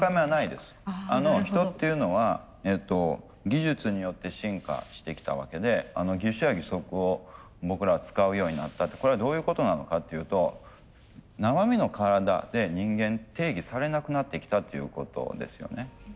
人っていうのは技術によって進化してきたわけで義手や義足を僕らが使うようになったってこれはどういうことなのかっていうと生身の体で人間定義されなくなってきたっていうことですよね。